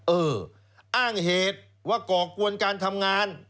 เอออ้างเหตุว่าก่อกวนการทำงาน